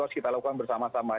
kita lakukan bersama sama